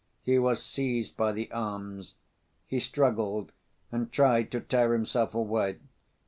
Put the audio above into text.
He was seized by the arms. He struggled, and tried to tear himself away.